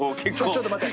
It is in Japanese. ちょっと待って。